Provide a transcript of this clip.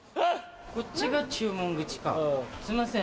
こっちが注文口かすいません。